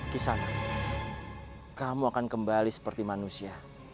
kisanak kamu akan kembali seperti manusia